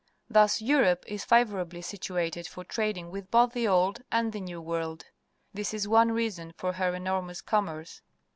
Thus Europe is favourably situated for trading with both the Old and the New World. This is one reason for her enormous commerce.